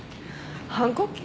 反抗期？